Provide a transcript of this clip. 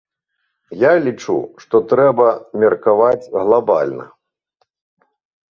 Я лічу, што трэба меркаваць глабальна!